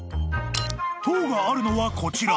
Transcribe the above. ［塔があるのはこちら］